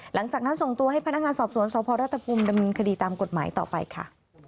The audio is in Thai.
หลังจากนั้นส่งตัวให้พนักงานสอบสวนสพรัฐภูมิดำเนินคดีตามกฎหมายต่อไปค่ะ